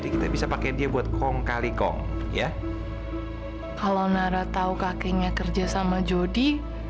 kalau nara tahu kakeknya kerja sama jody